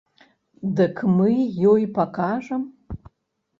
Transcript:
Дык мы ёй пакажам!